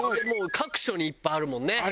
もう各所にいっぱいあるもんね。